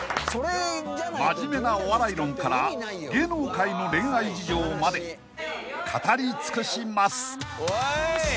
［真面目なお笑い論から芸能界の恋愛事情まで語り尽くします］